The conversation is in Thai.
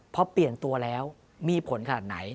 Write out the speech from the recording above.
พอเปลี่ยนตัวแล้วมีผลขนาดไหน